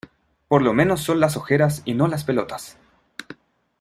por lo menos son las ojeras y no las pelotas,